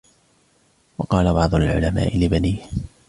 وَقَالَ بَعْضُ الْعُلَمَاءِ لِبَنِيهِ